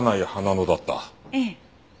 ええ。